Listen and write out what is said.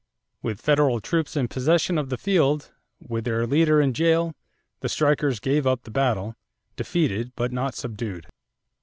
With federal troops in possession of the field, with their leader in jail, the strikers gave up the battle, defeated but not subdued.